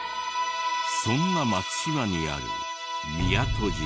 そんな松島にある宮戸島。